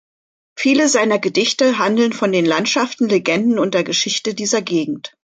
Viele seiner Gedichte handeln von den Landschaften, Legenden und der Geschichte dieser Gegend.